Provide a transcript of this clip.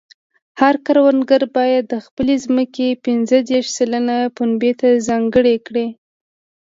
هر کروندګر باید د خپلې ځمکې پنځه دېرش سلنه پنبې ته ځانګړې کړي.